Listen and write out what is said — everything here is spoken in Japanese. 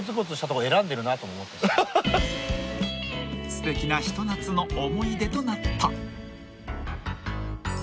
［すてきなひと夏の思い出となった］